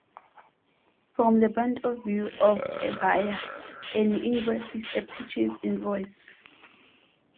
From the point of view of a buyer, an invoice is a "purchase invoice".